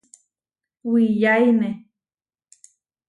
Wiyáine.